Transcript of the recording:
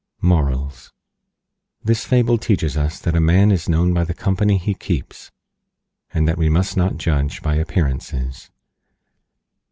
MORALS: This Fable teaches us that A Man is known by the Company he Keeps, and that We Must not Judge by Appearances.